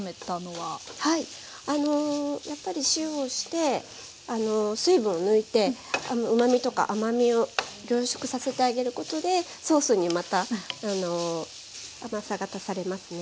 はいやっぱり塩をして水分を抜いてうまみとか甘みを凝縮させてあげることでソースにまた甘さが足されますね。